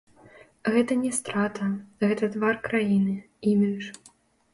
Гэта не страта, гэта твар краіны, імідж.